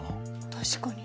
確かに。